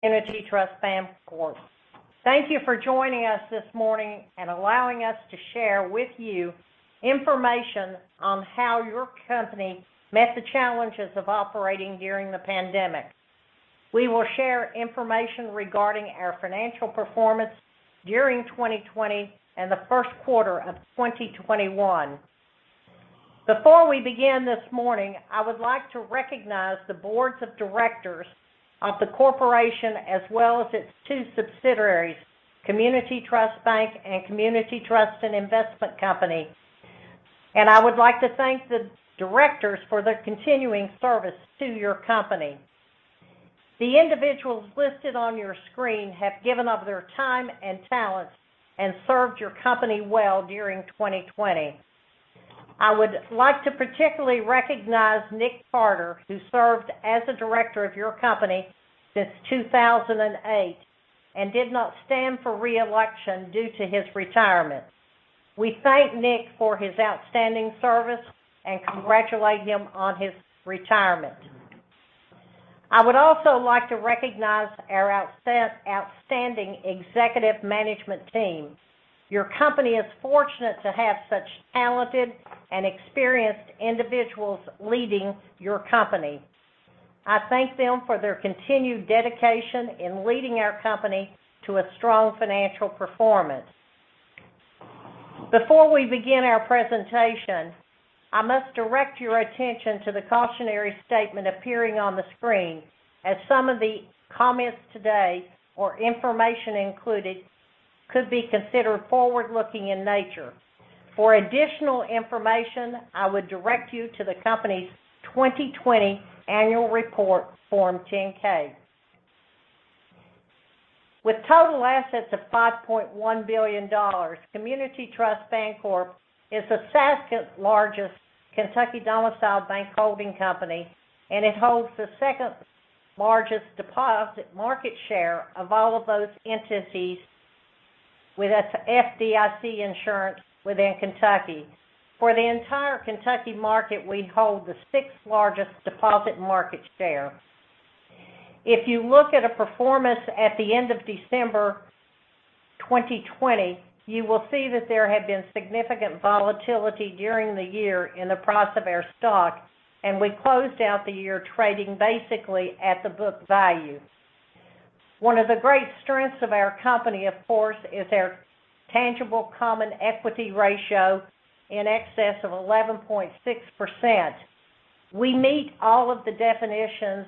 Welcome to the 2021 AGM of Community Trust Bancorp. Thank you for joining us this morning and allowing us to share with you information on how your company met the challenges of operating during the pandemic. We will share information regarding our financial performance during 2020 and the first quarter of 2021. Before we begin this morning, I would like to recognize the boards of directors of the corporation, as well as its two subsidiaries, Community Trust Bank and Community Trust and Investment Company, and I would like to thank the directors for their continuing service to your company. The individuals listed on your screen have given of their time and talents and served your company well during 2020. I would like to particularly recognize Nick Carter, who served as a director of your company since 2008 and did not stand for re-election due to his retirement. We thank Nick for his outstanding service and congratulate him on his retirement. I would also like to recognize our outstanding executive management team. Your company is fortunate to have such talented and experienced individuals leading your company. I thank them for their continued dedication in leading our company to a strong financial performance. Before we begin our presentation, I must direct your attention to the cautionary statement appearing on the screen, as some of the comments today or information included could be considered forward-looking in nature. For additional information, I would direct you to the company's 2020 annual report, Form 10-K. With total assets of $5.1 billion, Community Trust Bancorp is the second-largest Kentucky-domiciled bank holding company, and it holds the second-largest deposit market share of all of those entities with FDIC insurance within Kentucky. For the entire Kentucky market, we hold the sixth-largest deposit market share. If you look at a performance at the end of December 2020, you will see that there have been significant volatility during the year in the price of our stock, and we closed out the year trading basically at the book value. One of the great strengths of our company, of course, is our tangible common equity ratio in excess of 11.6%. We meet all of the definitions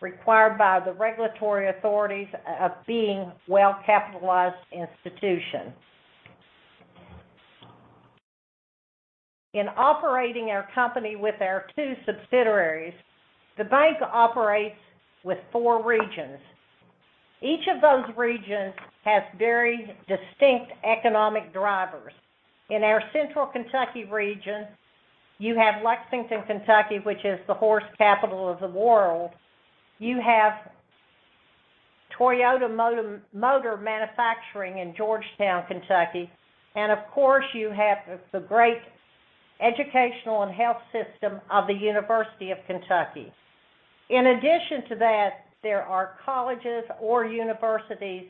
required by the regulatory authorities of being well-capitalized institutions. In operating our company with our two subsidiaries, the bank operates with four regions. Each of those regions has very distinct economic drivers. In our Central Kentucky region, you have Lexington, Kentucky, which is the horse capital of the world. You have Toyota Motor Manufacturing in Georgetown, Kentucky, and of course, you have the great educational and health system of the University of Kentucky. In addition to that, there are colleges or universities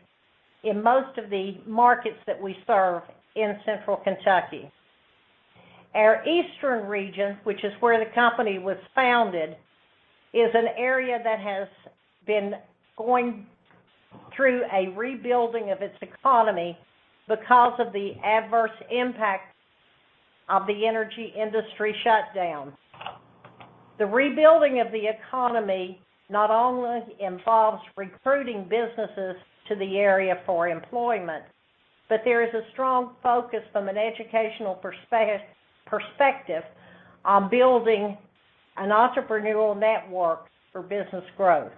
in most of the markets that we serve in Central Kentucky. Our Eastern region, which is where the company was founded, is an area that has been going through a rebuilding of its economy because of the adverse impact of the energy industry shutdowns. The rebuilding of the economy not only involves recruiting businesses to the area for employment, but there is a strong focus from an educational perspective on building an entrepreneurial network for business growth.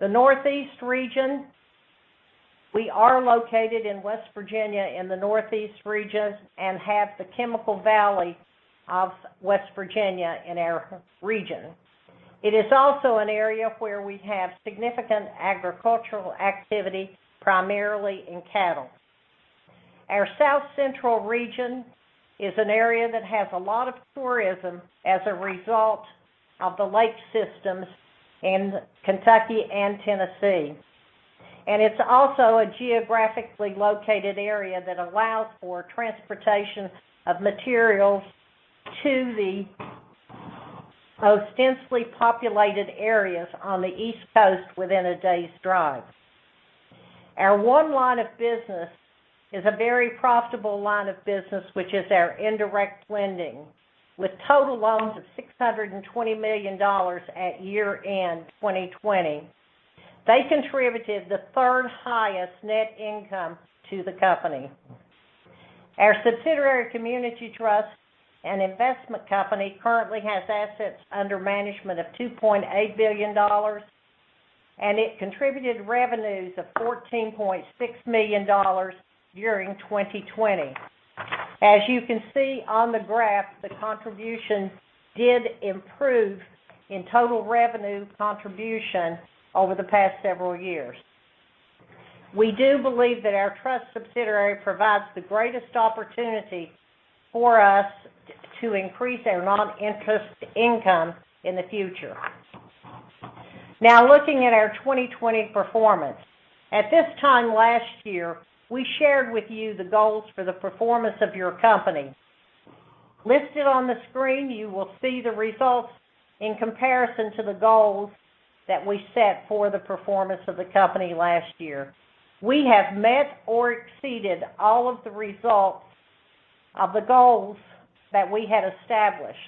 The Northeast region, we are located in West Virginia in the Northeast region and have the Chemical Valley of West Virginia in our region. It is also an area where we have significant agricultural activity, primarily in cattle. Our South Central region is an area that has a lot of tourism as a result of the lake systems in Kentucky and Tennessee, and it's also a geographically located area that allows for transportation of materials to the most densely populated areas on the East Coast within a day's drive. Our one line of business is a very profitable line of business, which is our indirect lending, with total loans of $620 million at year-end 2020. They contributed the third-highest net income to the company. Our subsidiary, Community Trust and Investment Company, currently has assets under management of $2.8 billion, and it contributed revenues of $14.6 million during 2020. As you can see on the graph, the contribution did improve in total revenue contribution over the past several years. We do believe that our trust subsidiary provides the greatest opportunity for us to increase our non-interest income in the future. Now, looking at our 2020 performance. At this time last year, we shared with you the goals for the performance of your company. Listed on the screen, you will see the results in comparison to the goals that we set for the performance of the company last year. We have met or exceeded all of the results of the goals that we had established.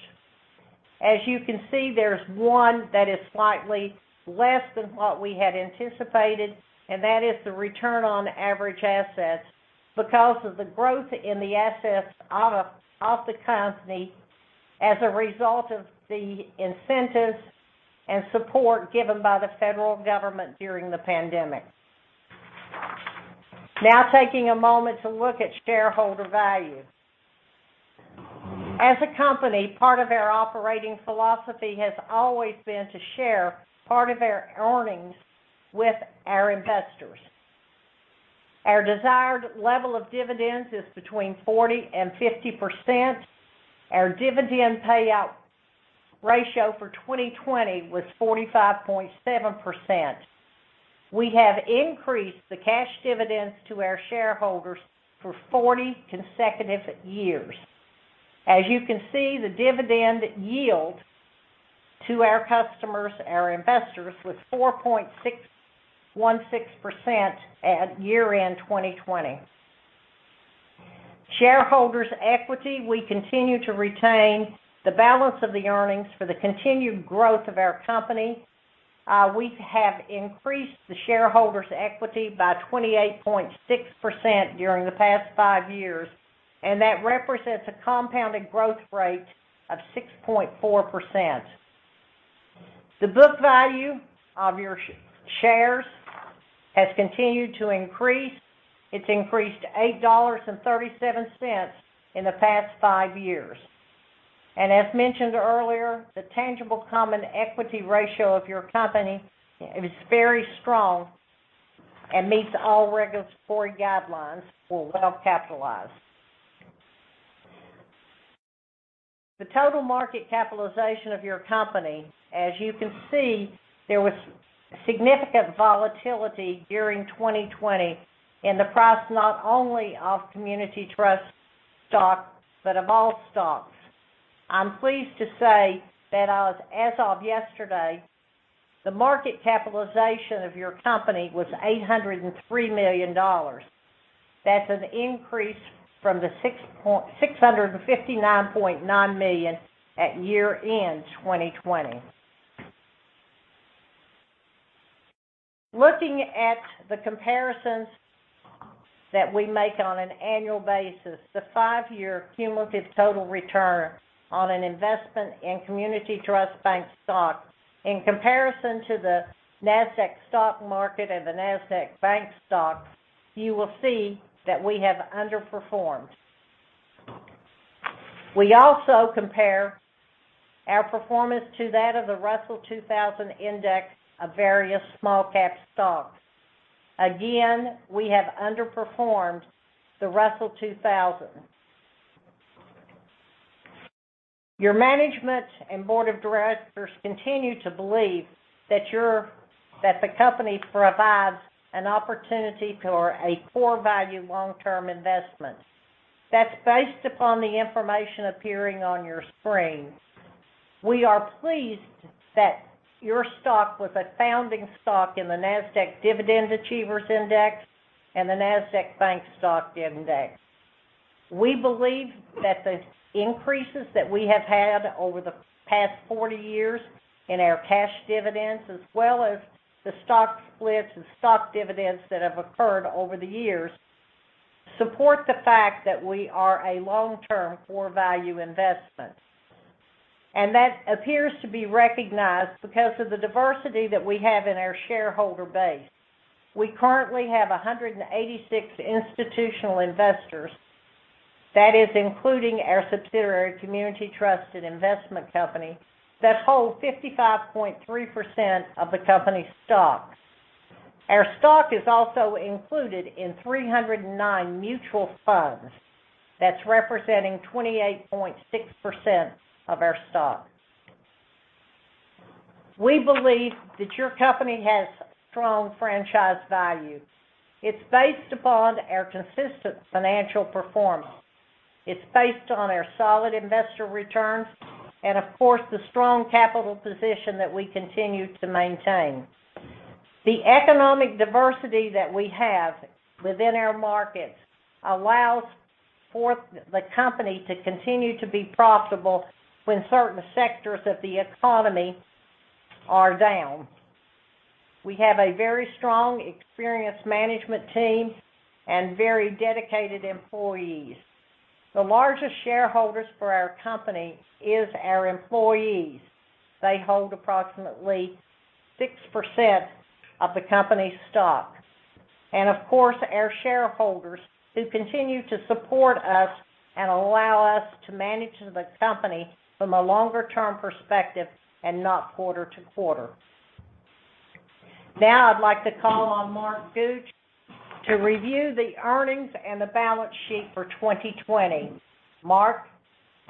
As you can see, there's one that is slightly less than what we had anticipated, and that is the return on average assets because of the growth in the assets of the company as a result of the incentives and support given by the federal government during the pandemic. Now, taking a moment to look at shareholder value. As a company, part of our operating philosophy has always been to share part of our earnings with our investors. Our desired level of dividends is between 40% and 50%. Our dividend payout ratio for 2020 was 45.7%. We have increased the cash dividends to our shareholders for 40 consecutive years. As you can see, the dividend yield to our customers, our investors, was 4.616% at year-end 2020. Shareholders' equity, we continue to retain the balance of the earnings for the continued growth of our company. We have increased the shareholders' equity by 28.6% during the past five years, and that represents a compounded growth rate of 6.4%. The book value of your shares has continued to increase. It's increased $8.37 in the past five years. As mentioned earlier, the tangible common equity ratio of your company is very strong and meets all regulatory guidelines. We're well-capitalized. The total market capitalization of your company, as you can see, there was significant volatility during 2020 in the price, not only of Community Trust, but of all stocks. I'm pleased to say that as of yesterday, the market capitalization of your company was $803 million. That's an increase from the $659.9 million at year-end 2020. Looking at the comparisons that we make on an annual basis, the five-year cumulative total return on an investment in Community Trust Bank in comparison to the NASDAQ and the NASDAQ bank stock, you will see that we have underperformed. We also compare our performance to that of the Russell 2000 Index of various small cap stocks. Again, we have underperformed the Russell 2000. Your management and board of directors continue to believe that the company provides an opportunity for a core value long-term investment. That's based upon the information appearing on your screen. We are pleased that your stock was a founding stock in the NASDAQ Dividend Achievers Index and the NASDAQ Bank Stock Index. We believe that the increases that we have had over the past 40 years in our cash dividends, as well as the stock splits and stock dividends that have occurred over the years, support the fact that we are a long-term core value investment. That appears to be recognized because of the diversity that we have in our shareholder base. We currently have 186 institutional investors. That is including our subsidiary, Community Trust and Investment Company, that hold 55.3% of the company's stocks. Our stock is also included in 309 mutual funds. That's representing 28.6% of our stock. We believe that your company has strong franchise value. It's based upon our consistent financial performance. It's based on our solid investor returns, and of course, the strong capital position that we continue to maintain. The economic diversity that we have within our markets allows for the company to continue to be profitable when certain sectors of the economy are down. We have a very strong, experienced management team and very dedicated employees. The largest shareholders for our company is our employees. They hold approximately 6% of the company's stock. Of course, our shareholders who continue to support us and allow us to manage the company from a longer-term perspective and not quarter to quarter. I'd like to call on Mark Gooch to review the earnings and the balance sheet for 2020. Mark?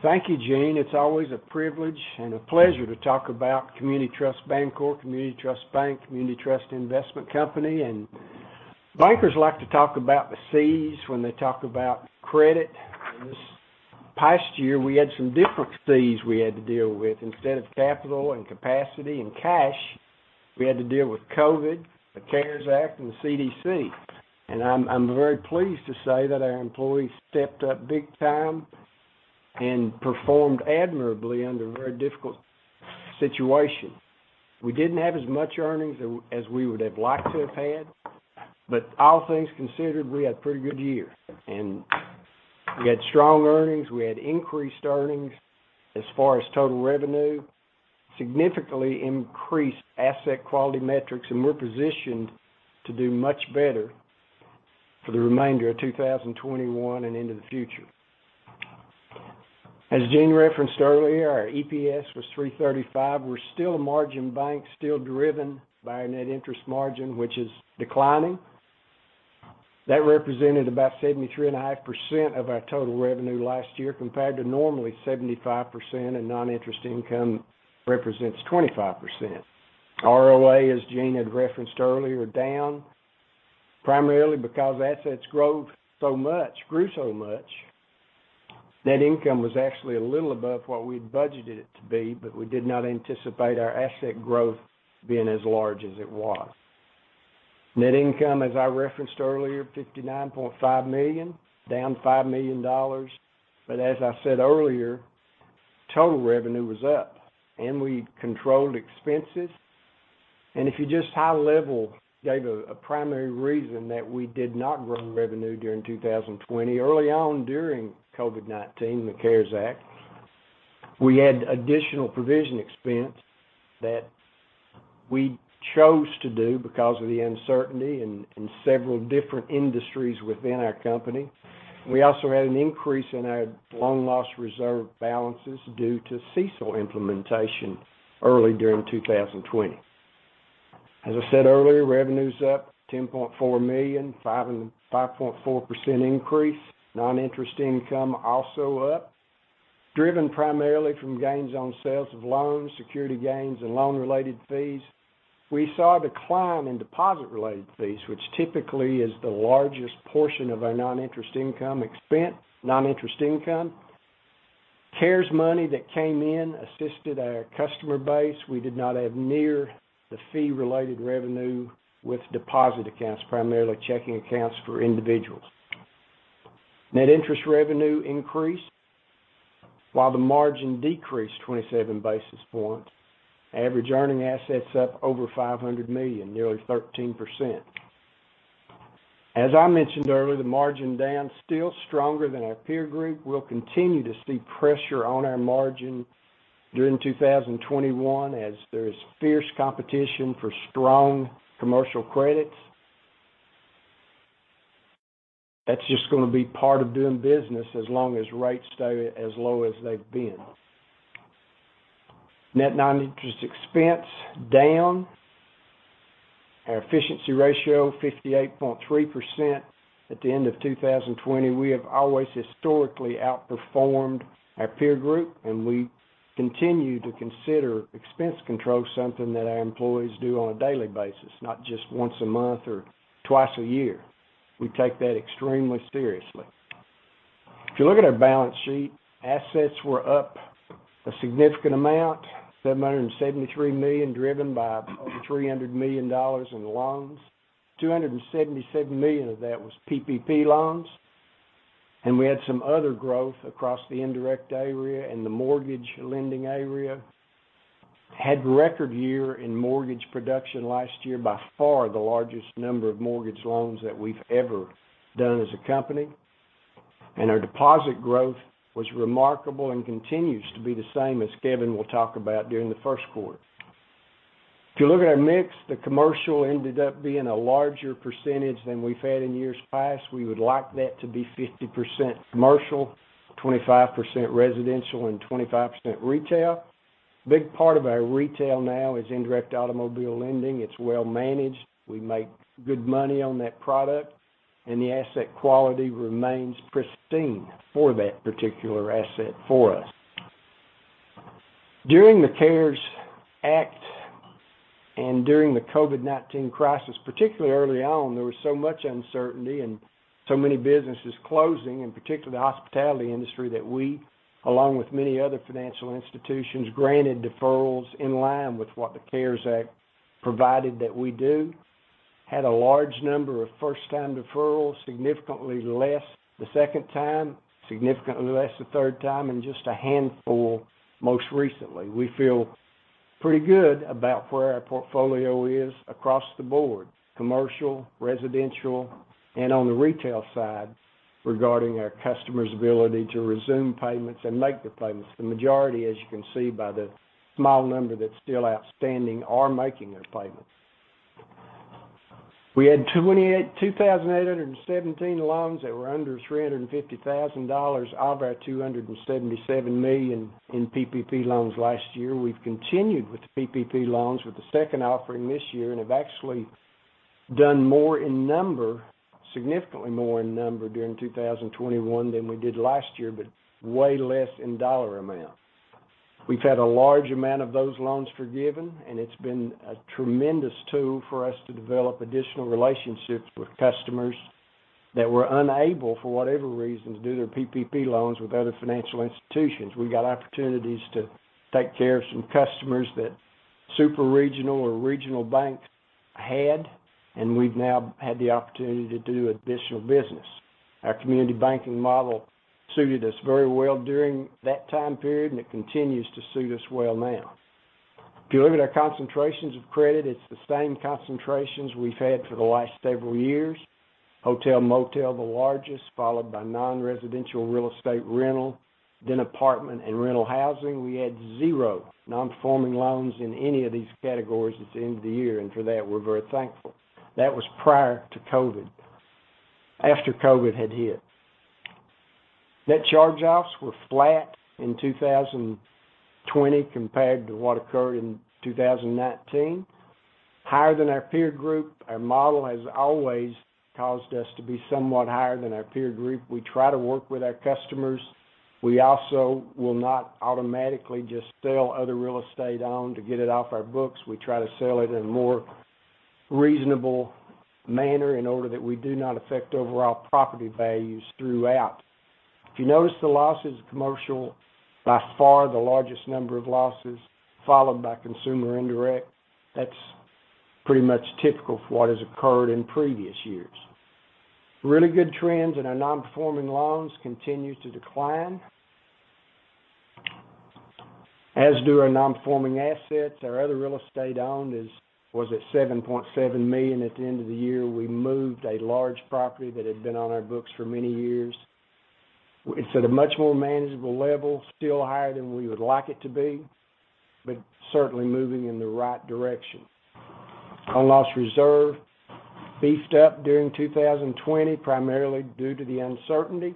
Thank you, Jean. It's always a privilege and a pleasure to talk about Community Trust Bancorp, Community Trust Bank, Community Trust and Investment Company. Bankers like to talk about the C's when they talk about credit. In this past year, we had some different C's we had to deal with. Instead of capital and capacity and cash, we had to deal with COVID, the CARES Act, and the CDC. I'm very pleased to say that our employees stepped up big time and performed admirably under a very difficult situation. We didn't have as much earnings as we would have liked to have had, but all things considered, we had a pretty good year. We had strong earnings. We had increased earnings as far as total revenue, significantly increased asset quality metrics, and we're positioned to do much better for the remainder of 2021 and into the future. As Jean referenced earlier, our EPS was $3.35. We're still a margin bank, still driven by our net interest margin, which is declining. That represented about 73.5% of our total revenue last year, compared to normally 75%, and non-interest income represents 25%. ROA, as Jean had referenced earlier, down, primarily because assets grew so much. Net income was actually a little above what we had budgeted it to be, but we did not anticipate our asset growth being as large as it was. Net income, as I referenced earlier, $59.5 million, down $5 million. As I said earlier, total revenue was up, and we controlled expenses. If you just high level, gave a primary reason that we did not grow revenue during 2020, early on during COVID-19, the CARES Act, we had additional provision expense that we chose to do because of the uncertainty in several different industries within our company. We also had an increase in our loan loss reserve balances due to CECL implementation early during 2020. As I said earlier, revenue's up $10.4 million, 5.4% increase. Non-interest income also up, driven primarily from gains on sales of loans, security gains, and loan-related fees. We saw a decline in deposit-related fees, which typically is the largest portion of our non-interest income. CARES money that came in assisted our customer base. We did not have near the fee-related revenue with deposit accounts, primarily checking accounts for individuals. Net interest revenue increased, while the margin decreased 27 basis points. Average earning assets up over $500 million, nearly 13%. As I mentioned earlier, the margin down still stronger than our peer group. We'll continue to see pressure on our margin during 2021 as there is fierce competition for strong commercial credits. That's just going to be part of doing business as long as rates stay as low as they've been. Net non-interest expense down. Our efficiency ratio, 58.3% at the end of 2020. We have always historically outperformed our peer group, and we continue to consider expense control something that our employees do on a daily basis, not just once a month or twice a year. We take that extremely seriously. If you look at our balance sheet, assets were up a significant amount, $773 million, driven by over $300 million in loans. $277 million of that was PPP loans. We had some other growth across the indirect area and the mortgage lending area. Had a record year in mortgage production last year, by far the largest number of mortgage loans that we've ever done as a company. Our deposit growth was remarkable and continues to be the same as Kevin will talk about during the first quarter. If you look at our mix, the commercial ended up being a larger percentage than we've had in years past. We would like that to be 50% commercial, 25% residential, and 25% retail. Big part of our retail now is indirect automobile lending. It's well managed. We make good money on that product, and the asset quality remains pristine for that particular asset for us. During the CARES Act and during the COVID-19 crisis, particularly early on, there was so much uncertainty and so many businesses closing, in particular the hospitality industry, that we, along with many other financial institutions, granted deferrals in line with what the CARES Act provided that we do. We had a large number of first-time deferrals, significantly less the second time, significantly less the third time, and just a handful most recently. We feel pretty good about where our portfolio is across the board, commercial, residential, and on the retail side, regarding our customers' ability to resume payments and make their payments. The majority, as you can see by the small number that's still outstanding, are making their payments. We had 2,817 loans that were under $350,000 of our $277 million in PPP loans last year. We've continued with the PPP loans with the second offering this year, and have actually done more in number, significantly more in number during 2021 than we did last year, but way less in dollar amount. We've had a large amount of those loans forgiven, and it's been a tremendous tool for us to develop additional relationships with customers that were unable, for whatever reason, to do their PPP loans with other financial institutions. We got opportunities to take care of some customers that super-regional or regional banks had, and we've now had the opportunity to do additional business. Our community banking model suited us very well during that time period, and it continues to suit us well now. If you look at our concentrations of credit, it's the same concentrations we've had for the last several years. Hotel, motel, the largest, followed by non-residential real estate rental, then apartment and rental housing. We had zero non-performing loans in any of these categories at the end of the year. For that, we're very thankful. That was prior to COVID, after COVID had hit. Net charge-offs were flat in 2020 compared to what occurred in 2019, higher than our peer group. Our model has always caused us to be somewhat higher than our peer group. We try to work with our customers. We also will not automatically just sell other real estate owned to get it off our books. We try to sell it in a more reasonable manner in order that we do not affect overall property values throughout. If you notice the losses, commercial, by far the largest number of losses, followed by consumer indirect. That's pretty much typical for what has occurred in previous years. Really good trends in our non-performing loans continue to decline, as do our non-performing assets. Our other real estate owned was at $7.7 million at the end of the year. We moved a large property that had been on our books for many years. It's at a much more manageable level, still higher than we would like it to be, but certainly moving in the right direction. Our loss reserve beefed up during 2020, primarily due to the uncertainty.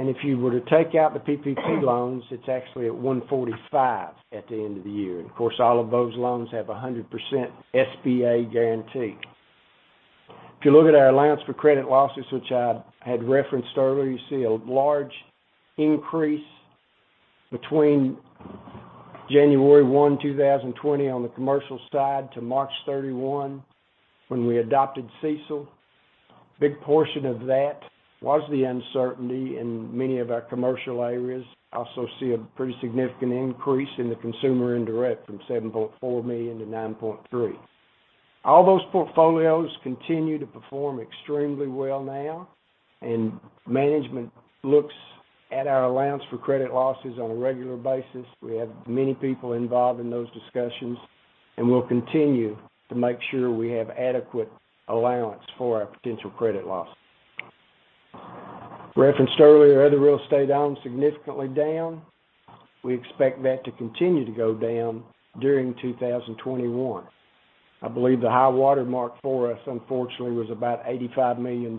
If you were to take out the PPP loans, it's actually at 1.46% at the end of the year. Of course, all of those loans have 100% SBA guarantee. If you look at our allowance for credit losses, which I had referenced earlier, you see a large increase between January 1, 2020, on the commercial side, to March 31, when we adopted CECL. Big portion of that was the uncertainty in many of our commercial areas. Also see a pretty significant increase in the consumer indirect from $7.4 million to $9.3. All those portfolios continue to perform extremely well now. Management looks at our allowance for credit losses on a regular basis. We have many people involved in those discussions. We'll continue to make sure we have adequate allowance for our potential credit loss. Referenced earlier, other real estate owned, significantly down. We expect that to continue to go down during 2021. I believe the high watermark for us, unfortunately, was about $85 million,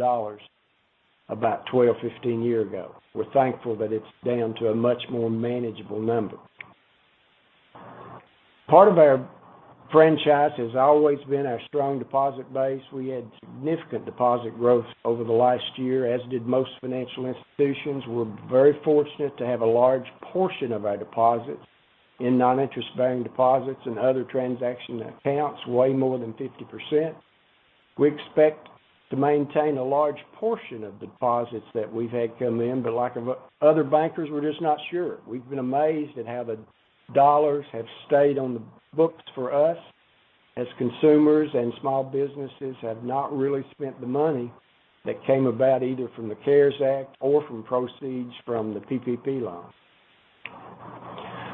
about 12, 15 year ago. We're thankful that it's down to a much more manageable number. Part of our franchise has always been our strong deposit base. We had significant deposit growth over the last year, as did most financial institutions. We're very fortunate to have a large portion of our deposits in non-interest bearing deposits and other transaction accounts, way more than 50%. We expect to maintain a large portion of deposits that we've had come in, but like other bankers, we're just not sure. We've been amazed at how the dollars have stayed on the books for us as consumers and small businesses have not really spent the money that came about either from the CARES Act or from proceeds from the PPP loan.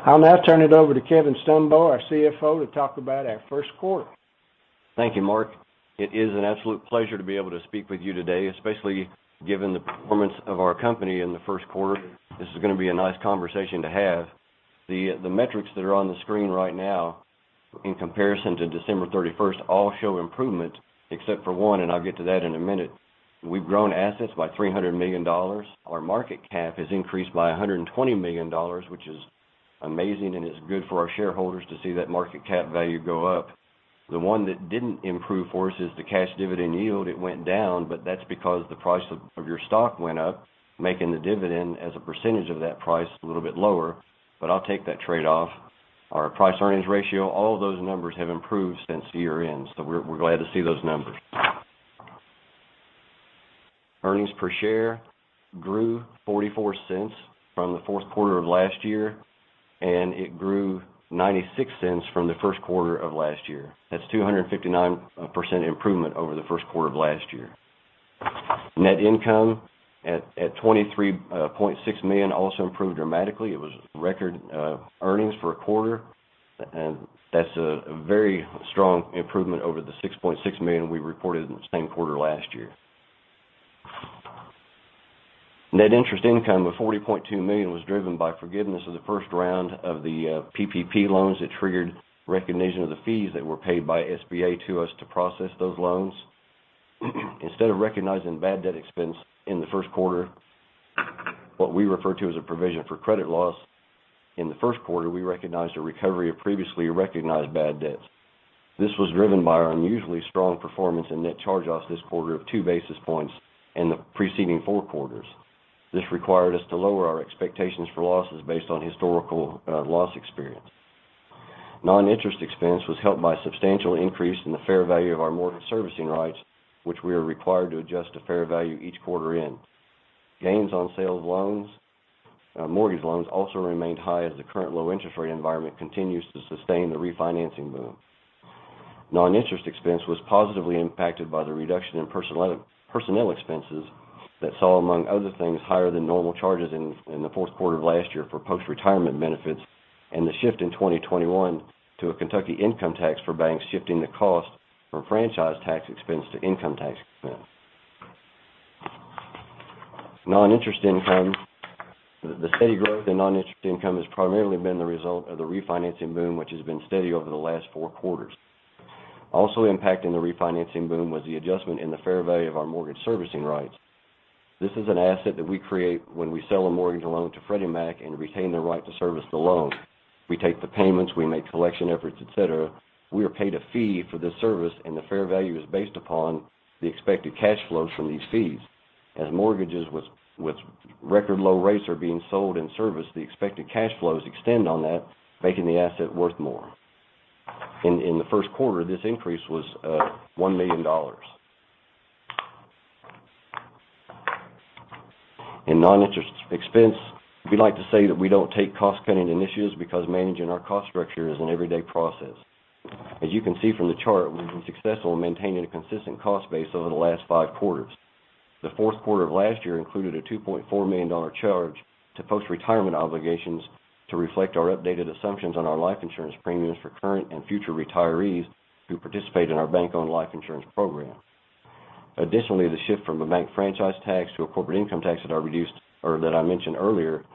I'll now turn it over to Kevin Stumbo, our CFO, to talk about our first quarter. Thank you, Mark. It is an absolute pleasure to be able to speak with you today, especially given the performance of our company in the first quarter. This is going to be a nice conversation to have. The metrics that are on the screen right now in comparison to December 31st all show improvement except for one, and I'll get to that in a minute. We've grown assets by $300 million. Our market cap has increased by $120 million, which is amazing, and it's good for our shareholders to see that market cap value go up. The one that didn't improve for us is the cash dividend yield. It went down, but that's because the price of your stock went up, making the dividend as a percentage of that price a little bit lower, but I'll take that trade-off. Our price earnings ratio, all of those numbers have improved since year-end, so we're glad to see those numbers. Earnings per share grew $0.44 from the fourth quarter of last year, and it grew $0.96 from the first quarter of last year. That's 259% improvement over the first quarter of last year. Net income at $23.6 million also improved dramatically. It was record earnings for a quarter, and that's a very strong improvement over the $6.6 million we reported in the same quarter last year. Net interest income of $40.2 million was driven by forgiveness of the first round of the PPP loans that triggered recognition of the fees that were paid by SBA to us to process those loans. Instead of recognizing bad debt expense in the first quarter, what we refer to as a provision for credit loss, in the first quarter, we recognized a recovery of previously recognized bad debts. This was driven by our unusually strong performance in net charge-offs this quarter of 2 basis points in the preceding four quarters. This required us to lower our expectations for losses based on historical loss experience. Non-interest expense was helped by a substantial increase in the fair value of our mortgage servicing rights, which we are required to adjust to fair value each quarter. Gains on sale of mortgage loans also remained high as the current low interest rate environment continues to sustain the refinancing boom. Non-interest expense was positively impacted by the reduction in personnel expenses that saw, among other things, higher than normal charges in the fourth quarter of last year for post-retirement benefits and the shift in 2021 to a Kentucky income tax for banks shifting the cost from franchise tax expense to income tax expense. Non-interest income. The steady growth in non-interest income has primarily been the result of the refinancing boom, which has been steady over the last four quarters. Also impacting the refinancing boom was the adjustment in the fair value of our mortgage servicing rights. This is an asset that we create when we sell a mortgage loan to Freddie Mac and retain the right to service the loan. We take the payments, we make collection efforts, et cetera. We are paid a fee for this service, and the fair value is based upon the expected cash flows from these fees. As mortgages with record low rates are being sold and serviced, the expected cash flows extend on that, making the asset worth more. In the first quarter, this increase was $1 million. In non-interest expense, we like to say that we don't take cost-cutting initiatives because managing our cost structure is an everyday process. As you can see from the chart, we've been successful in maintaining a consistent cost base over the last five quarters. The fourth quarter of last year included a $2.4 million charge to post-retirement obligations to reflect our updated assumptions on our life insurance premiums for current and future retirees who participate in our bank-owned life insurance program. Additionally, the shift from the bank franchise tax to a corporate income tax that I mentioned earlier,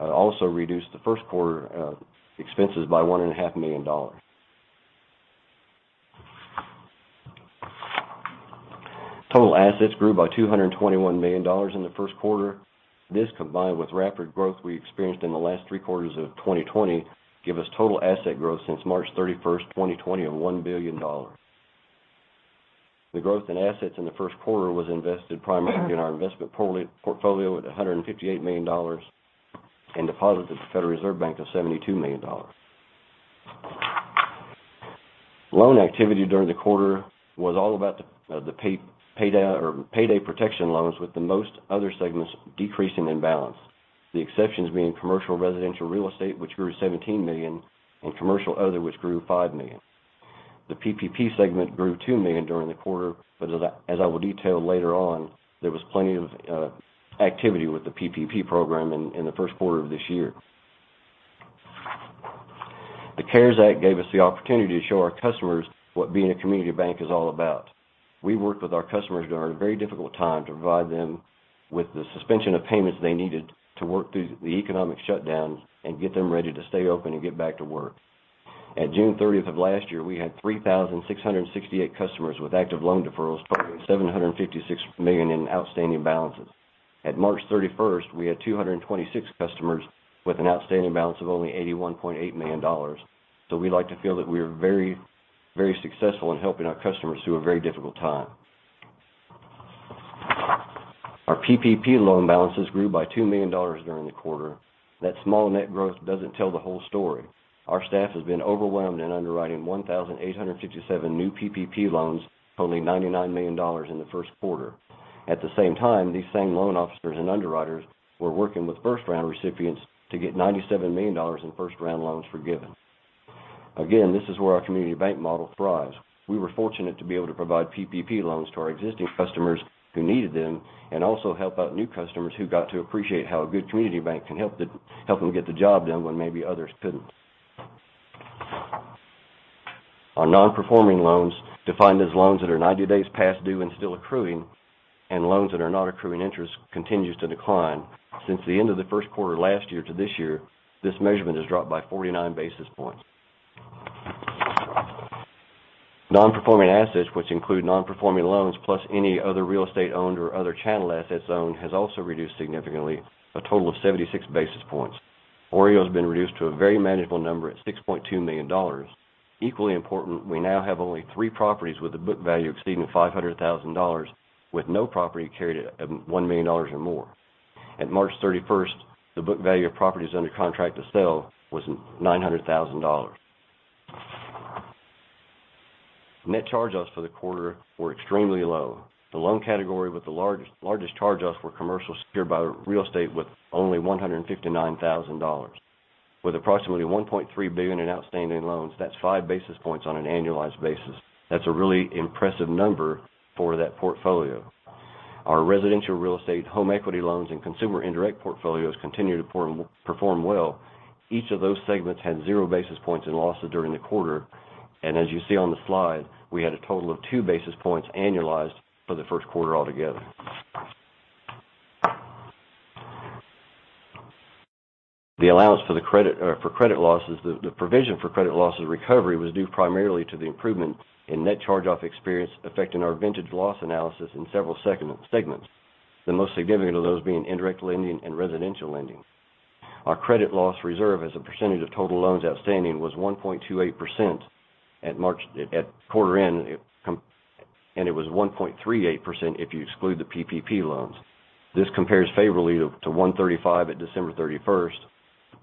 also reduced the first quarter expenses by $1.5 million. Total assets grew by $221 million in the first quarter. This, combined with rapid growth we experienced in the last three quarters of 2020, give us total asset growth since March 31st, 2020, of $1 billion. The growth in assets in the first quarter was invested primarily in our investment portfolio at $158 million and deposits at the Federal Reserve Bank of $72 million. Loan activity during the quarter was all about the Paycheck Protection Program loans, with most other segments decreasing in balance. The exceptions being commercial residential real estate, which grew to $17 million, and commercial other, which grew $5 million. The PPP segment grew $2 million during the quarter, as I will detail later on, there was plenty of activity with the PPP program in the first quarter of this year. The CARES Act gave us the opportunity to show our customers what being a community bank is all about. We worked with our customers during a very difficult time to provide them with the suspension of payments they needed to work through the economic shutdown and get them ready to stay open and get back to work. At June 30th of last year, we had 3,668 customers with active loan deferrals totaling $756 million in outstanding balances. At March 31st, we had 226 customers with an outstanding balance of only $81.8 million. We like to feel that we are very successful in helping our customers through a very difficult time. Our PPP loan balances grew by $2 million during the quarter. That small net growth doesn't tell the whole story. Our staff has been overwhelmed in underwriting 1,857 new PPP loans totaling $99 million in the first quarter. At the same time, these same loan officers and underwriters were working with first-round recipients to get $97 million in first-round loans forgiven. This is where our community bank model thrives. We were fortunate to be able to provide PPP loans to our existing customers who needed them and also help out new customers who got to appreciate how a good community bank can help them get the job done when maybe others couldn't. Our non-performing loans, defined as loans that are 90 days past due and still accruing, and loans that are not accruing interest, continues to decline. Since the end of the first quarter last year to this year, this measurement has dropped by 49 basis points. Non-performing assets, which include non-performing loans plus any other real estate owned or other chattel assets owned, has also reduced significantly, a total of 76 basis points. OREO has been reduced to a very manageable number at $6.2 million. Equally important, we now have only three properties with a book value exceeding $500,000, with no property carried at $1 million or more. At March 31st, the book value of properties under contract to sell was $900,000. Net charge-offs for the quarter were extremely low. The loan category with the largest charge-offs were commercial secured by real estate with only $159,000. With approximately $1.3 billion in outstanding loans, that's 5 basis points on an annualized basis. That's a really impressive number for that portfolio. Our residential real estate, home equity loans, and consumer indirect portfolios continue to perform well. Each of those segments had 0 basis points in losses during the quarter. As you see on the slide, we had a total of 2 basis points annualized for the first quarter altogether. The provision for credit losses recovery was due primarily to the improvement in net charge-off experience affecting our vintage loss analysis in several segments, the most significant of those being indirect lending and residential lending. Our credit loss reserve as a percentage of total loans outstanding was 1.28% at quarter end, and it was 1.38% if you exclude the PPP loans. This compares favorably to 1.35% at December 31st,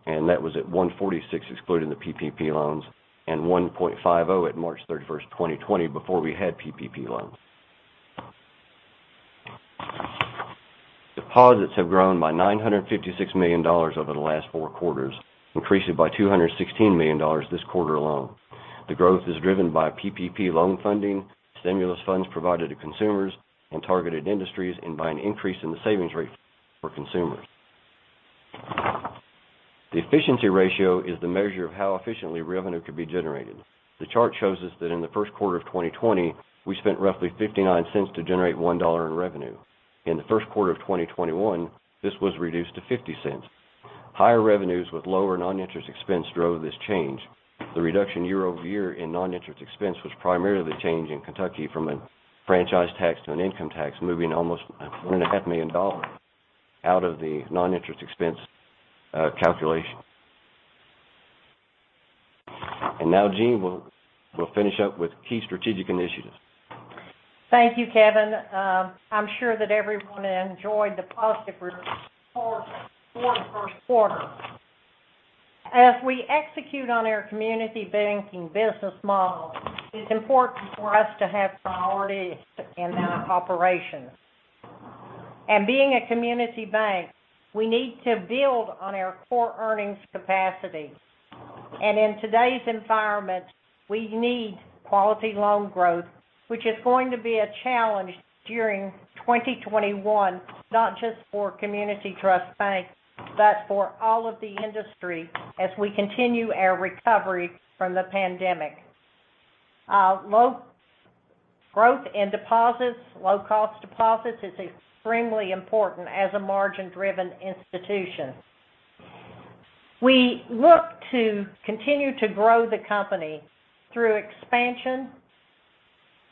and that was at 1.46% excluding the PPP loans, and 1.50% at March 31st, 2020, before we had PPP loans. Deposits have grown by $956 million over the last four quarters, increasing by $216 million this quarter alone. The growth is driven by PPP loan funding, stimulus funds provided to consumers and targeted industries, and by an increase in the savings rate for consumers. The efficiency ratio is the measure of how efficiently revenue could be generated. The chart shows us that in the first quarter of 2020, we spent roughly $0.59 to generate $1 in revenue. In the first quarter of 2021, this was reduced to $0.50. Higher revenues with lower non-interest expense drove this change. The reduction year-over-year in non-interest expense was primarily the change in Kentucky from a franchise tax to an income tax, moving almost $4.5 million out of the non-interest expense calculation. Now Jean will finish up with key strategic initiatives. Thank you, Kevin. I'm sure that everyone enjoyed the positive results for the first quarter. As we execute on our community banking business model, it's important for us to have priorities in our operations. Being a community bank, we need to build on our core earnings capacity. In today's environment, we need quality loan growth, which is going to be a challenge during 2021, not just for Community Trust Bank, but for all of the industry as we continue our recovery from the pandemic. Growth in deposits, low cost deposits is extremely important as a margin-driven institution. We look to continue to grow the company through expansion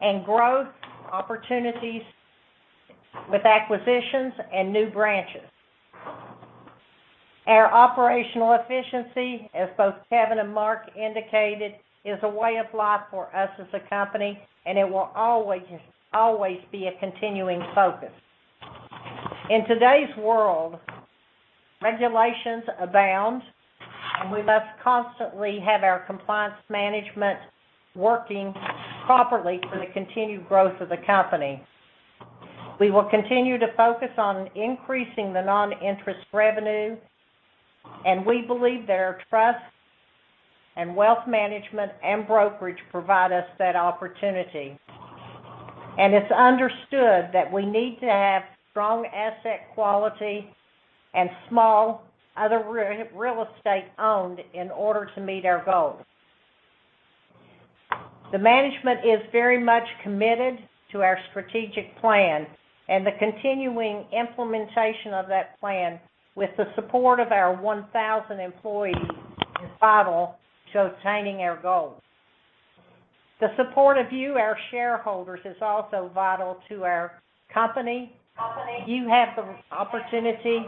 and growth opportunities with acquisitions and new branches. Our operational efficiency, as both Kevin and Mark indicated, is a way of life for us as a company, and it will always be a continuing focus. In today's world, regulations abound, and we must constantly have our compliance management working properly for the continued growth of the company. We will continue to focus on increasing the non-interest revenue, and we believe that our trust and wealth management and brokerage provide us that opportunity. It's understood that we need to have strong asset quality and small OREO in order to meet our goals. The management is very much committed to our strategic plan and the continuing implementation of that plan with the support of our 1,000 employees is vital to attaining our goals. The support of you, our shareholders, is also vital to our company. You have the opportunity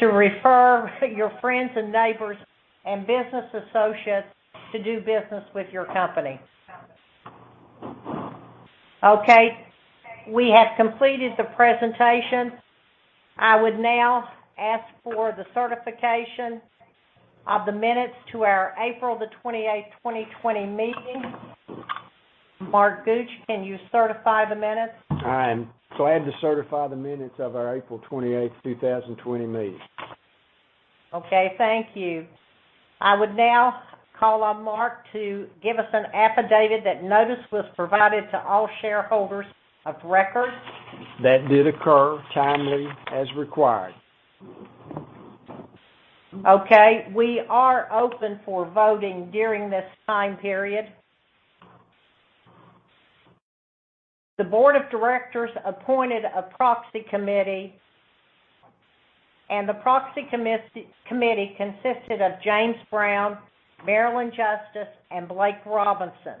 to refer your friends and neighbors and business associates to do business with your company. Okay. We have completed the presentation. I would now ask for the certification of the minutes to our April the 28th, 2020 meeting. Mark Gooch, can you certify the minutes? I'm glad to certify the minutes of our April 28th, 2020 meeting. Okay, thank you. I would now call on Mark to give us an affidavit that notice was provided to all shareholders of record. That did occur timely as required. Okay. We are open for voting during this time period. The board of directors appointed a proxy committee, and the proxy committee consisted of James Brown, Marilyn Justice, and Blake Robinson.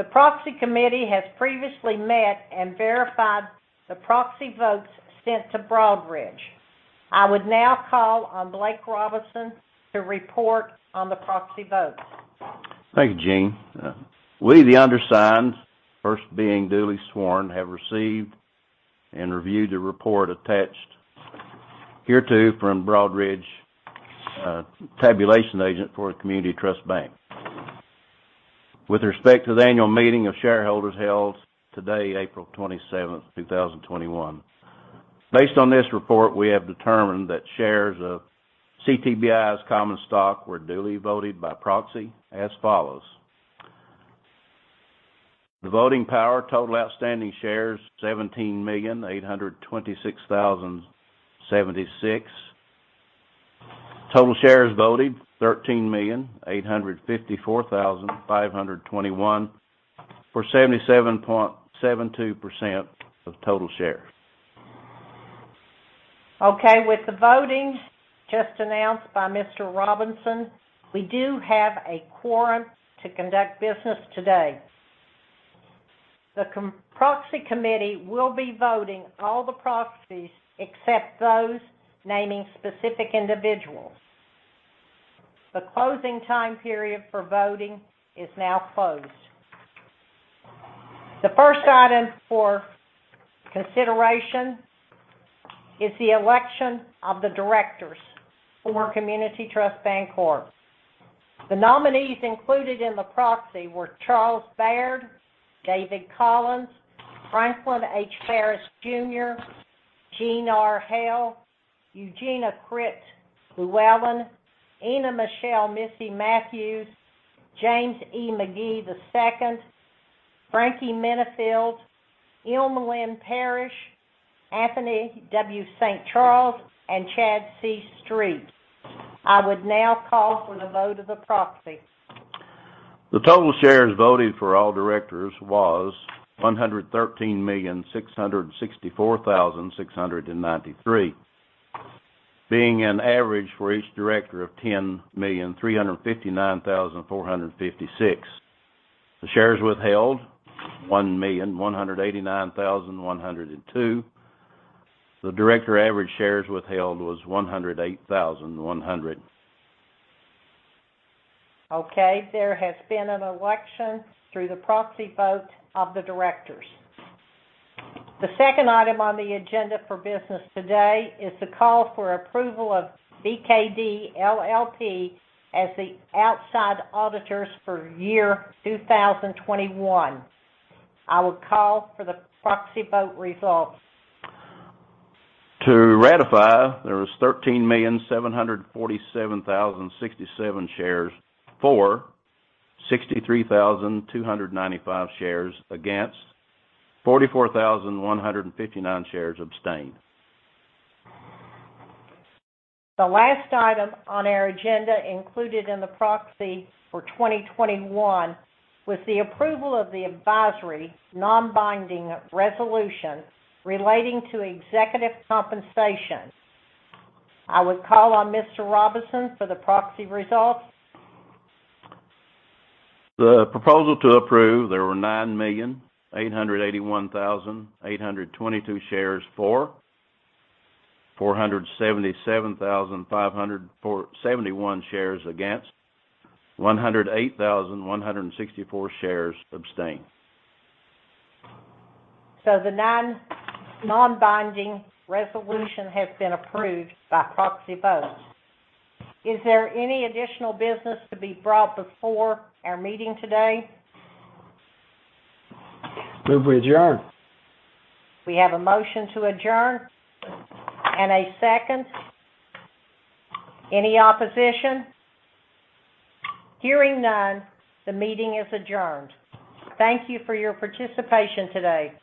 The proxy committee has previously met and verified the proxy votes sent to Broadridge. I would now call on Blake Robinson to report on the proxy votes. Thank you, Jean. We, the undersigned, first being duly sworn, have received and reviewed the report attached hereto from Broadridge, tabulation agent for the Community Trust Bank, with respect to the annual meeting of shareholders held today, April 27th, 2021. Based on this report, we have determined that shares of CTBI's common stock were duly voted by proxy as follows. The voting power, total outstanding shares, 17,826,076. Total shares voted, 13,854,521, for 77.72% of total shares. Okay, with the voting just announced by Mr. Robinson, we do have a quorum to conduct business today. The proxy committee will be voting all the proxies except those naming specific individuals. The closing time period for voting is now closed. The first item for consideration is the election of the directors for Community Trust Bancorp. The nominees included in the proxy were Charles Baird, David Collins, Franklin H. Farris, Jr., Jean R. Hale, Eugenia Crittenden Luallen, Ina Michelle Matthews, James E. McGhee II, Franky Minnifield, M. Lynn Parrish, Anthony W. St. Charles, and Chad C. Street. I would now call for the vote of the proxy. The total shares voted for all directors was 113,664,693, being an average for each director of 10,359,456. The shares withheld, 1,189,102. The director average shares withheld was 108,100. Okay. There has been an election through the proxy vote of the directors. The second item on the agenda for business today is the call for approval of BKD LLP as the outside auditors for year 2021. I would call for the proxy vote results. To ratify, there was 13,747,067 shares for, 63,295 shares against, 44,159 shares abstained. The last item on our agenda included in the proxy for 2021 was the approval of the advisory non-binding resolution relating to executive compensation. I would call on Mr. Robinson for the proxy results. The proposal to approve, there were 9,881,822 shares for, 477,571 shares against, 108,164 shares abstained. The non-binding resolution has been approved by proxy vote. Is there any additional business to be brought before our meeting today? Move we adjourn. We have a motion to adjourn. A second. Any opposition? Hearing none, the meeting is adjourned. Thank you for your participation today.